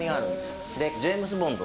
ジェームズ・ボンド。